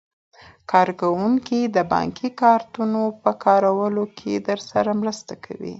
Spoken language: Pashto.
کارکوونکي د بانکي کارتونو په کارولو کې درسره مرسته کوي.